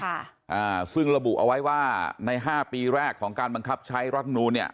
อ่าซึ่งระบุเอาไว้ว่าในห้าปีแรกของการบังคับใช้รัฐมนูลเนี่ย